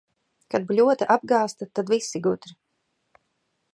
Kad bļoda apgāzta, tad visi gudri.